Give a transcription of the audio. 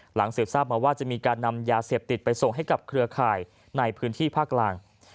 หลังเสิดทราบมองว่ามีการนำยาเสียบติดไปส่งให้กับเครือคายในพื้นที่ภาคล่าง